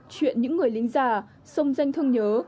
chuyện những người lính giả sông danh thương nhớ